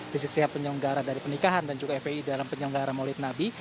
rizik sihab penyelenggara dari pernikahan dan juga fpi dalam penyelenggara maulid nabi